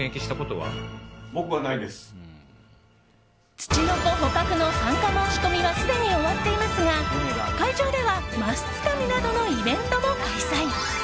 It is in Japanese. つちのこ捕獲の参加申し込みはすでに終わっていますが会場ではマスつかみなどのイベントも開催。